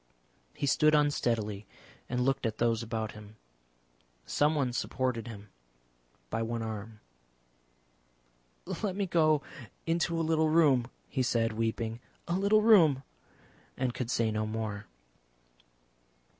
He stood unsteadily and looked at those about him. Someone supported him by one arm. "Let me go into a little room," he said, weeping; "a little room," and could say no more.